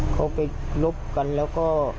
เขาไปลบกันแล้วก็